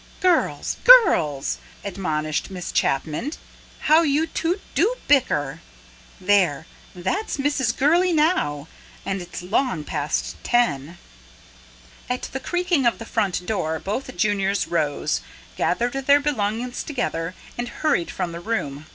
"Girls, girls!" admonished Miss Chapman. "How you two do bicker. There, that's Mrs. Gurley now! And it's long past ten." At the creaking of the front door both juniors rose, gathered their belongings together, and hurried from the room.